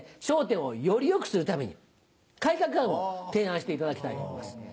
『笑点』をより良くするために改革案を提案していただきたいと思います。